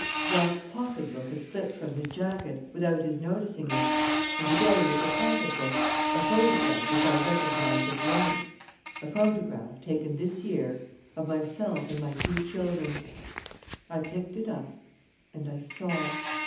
Jacques' pocket book had slipped from his jacket, without his noticing it, and, together with the pocket book, a photograph which I recognized at once: a photograph, taken this year, of myself and my two children. I picked it up ... and I saw....